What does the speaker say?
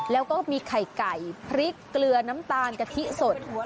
แล้วก็มีไข่ไก่พริกเกลือน้ำตาลกะทิสด